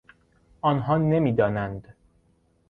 آنها نمیدانند.